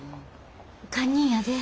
堪忍やで。